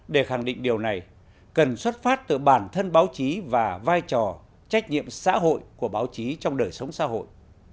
để khẳng định điều này cần xuất phát từ bản thân báo chí và vai trò trách nhiệm xã hội của báo chí trong đời sống xã hội